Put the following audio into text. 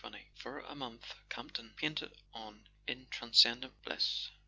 XX F OR a month Campton painted on in transcen¬ dent bliss.